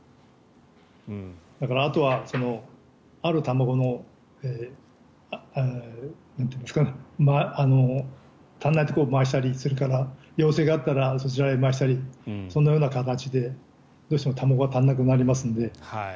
あとは、ある卵を足らないところに回したりするから要請があったらそちらへ回したりそんなふうな形でどうしても卵が足りなくなりますので。